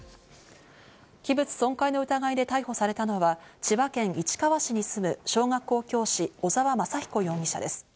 器物損壊の疑いで逮捕されたのは千葉県市川市に住む小学校教師・小沢正彦容疑者です。